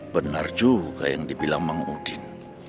benar juga yang dibilang bang udin